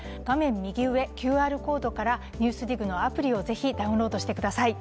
右上、ＱＲコードからＮＥＷＳＤＩＧのアプリをぜひダウンロードしてください。